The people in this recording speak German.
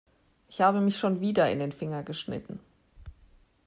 Ich habe mich schon wieder in den Finger geschnitten.